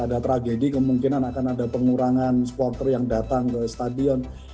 karena sudah ada tragedi kemungkinan akan ada pengurangan supporter yang datang ke stadion